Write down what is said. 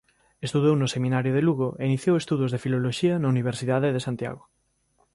Estudou no Seminario de Lugo e iniciou estudos de Filoloxía na Universidade de Santiago.